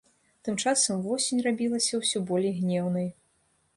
Тым часам восень рабілася ўсё болей гнеўнай.